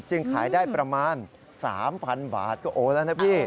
ขายได้ประมาณ๓๐๐๐บาทก็โอแล้วนะพี่